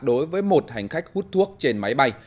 đối với một hành khách hút thuốc trên máy bay